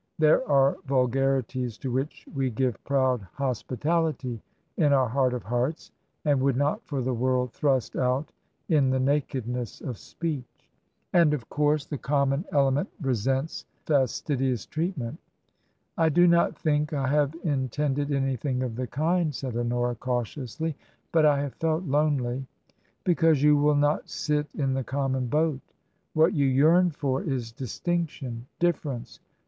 There are vulgarities to which we give proud hospitality in our heart of hearts, and would not for the world thrust out in the nakedness of speech. " And, of course, the common element resents fastidious treatment" " I do not think I have intended anything of the kind," said Honora, cautiously ;" but I have felt lonely." " Because you will not sit in the common boat What you yearn for is distinction — difference.